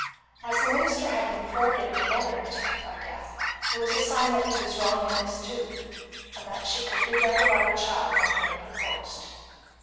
As the minister had been thwarted in another intent by death, it was a sign that he was wrong in this too, and that she could do better by the child than he had proposed.